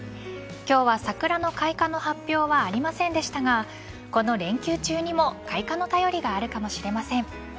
今日は桜の開花の発表はありませんでしたがこの連休中にも開花の便りがあるかもしれません。